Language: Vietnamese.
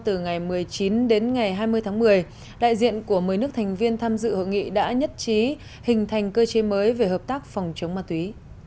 từ ngày một mươi chín đến ngày hai mươi tháng một mươi đại diện của một mươi nước thành viên tham dự hội nghị đã nhất trí hình thành cơ chế mới về hợp tác phòng chống ma túy